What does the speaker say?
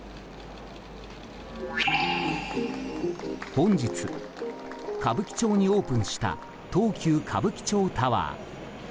本日、歌舞伎町にオープンした東急歌舞伎町タワー。